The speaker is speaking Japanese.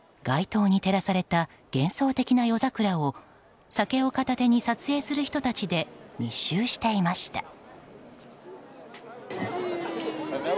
街灯に照らされた幻想的な夜桜を酒を片手に撮影する人たちで密集していました。